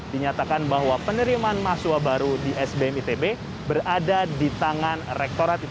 dinyatakan bahwa penerimaan mahasiswa baru di sbm itb berada di tangan rektorat it